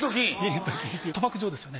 賭博場ですよね。